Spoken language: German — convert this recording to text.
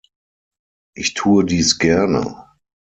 Ich tue dies gerne.